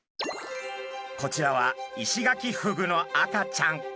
こちらはイシガキフグの赤ちゃん。